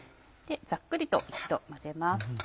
ざっくりと一度混ぜます。